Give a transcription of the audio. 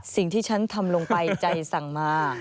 สิ่งที่ฉันทำลงไปใจสั่งมา